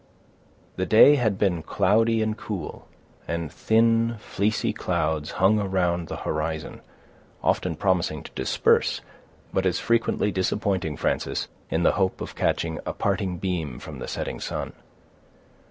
The day had been cloudy and cool, and thin fleecy clouds hung around the horizon, often promising to disperse, but as frequently disappointing Frances in the hope of catching a parting beam from the setting sun.